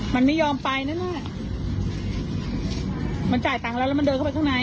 มันไม่ยอมไปนั่นน่ะมันจ่ายตังค์แล้วแล้วมันเดินเข้าไปข้างใน